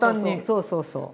そうそうそう。